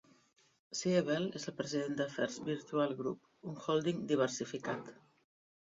Siebel és el president de First Virtual Group, un hòlding diversificat.